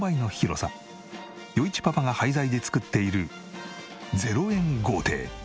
余一パパが廃材で作っている０円豪邸。